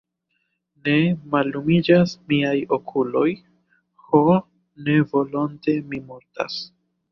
Ne, mallumiĝas miaj okuloj, ho, ne volonte mi mortas.